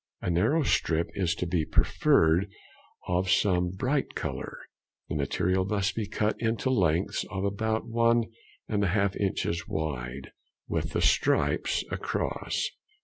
A narrow stripe is to be preferred of some bright colour. The material must be cut into lengths of about one and a half inch wide, with the stripes across.